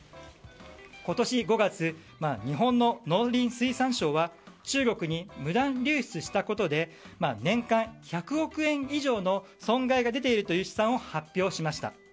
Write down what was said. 今年５月、日本の農林水産省は中国に無断流出したことで年間１００億円以上の損害が出ているという試算を発表しました。